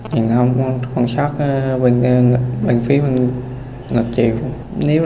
nhưng không quan sát bên phía bên ngược chiều